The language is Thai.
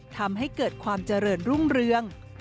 ทำให้เกิดความเจริญรุ่งเรือง